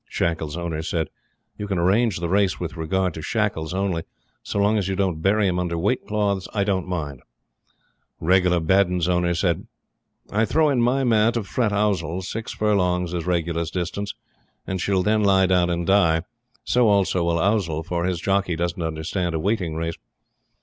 Shackles' owner said: "You can arrange the race with regard to Shackles only. So long as you don't bury him under weight cloths, I don't mind." Regula Baddun's owner said: "I throw in my mare to fret Ousel. Six furlongs is Regula's distance, and she will then lie down and die. So also will Ousel, for his jockey doesn't understand a waiting race."